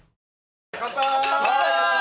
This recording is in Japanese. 乾杯！